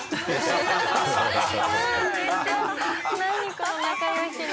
この仲良しな。